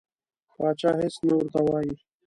پاچا هیڅ نه ورته وایي.